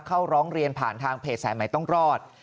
ร้องเรียนผ่านทางเพจสายใหม่ต้องรอด